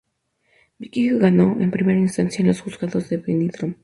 Vicky ganó en primera instancia en los Juzgados de Benidorm.